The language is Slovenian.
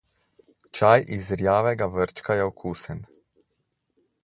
Čaj iz rjavega vrčka je okusen.